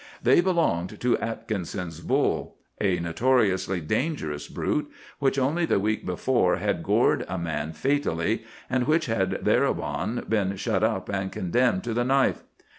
They belonged to Atkinson's bull, a notoriously dangerous brute, which only the week before had gored a man fatally, and which had thereupon been shut up and condemned to the knife.